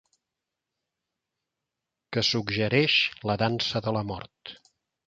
Que suggereix la dansa de la mort.